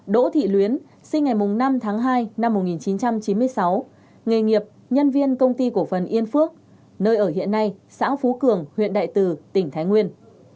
đỗ thị luyến sinh ngày năm tháng hai năm một nghìn chín trăm chín mươi sáu nghề nghiệp nhân viên công ty cổ phần yên phước nơi ở hiện nay xã phú cường huyện đại từ tỉnh thái nguyên